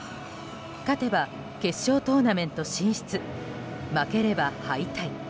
勝てば決勝トーナメント進出負ければ敗退。